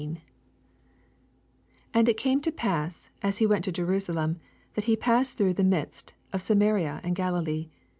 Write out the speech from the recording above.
11 And it came to pass, as he went to Jerusalem, that he passed through the midst of Sam ria and Galilee.